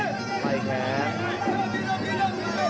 ส่วนหน้านั้นอยู่ที่เลด้านะครับ